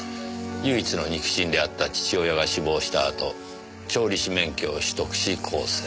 唯一の肉親であった父親が死亡したあと調理師免許を取得し更生。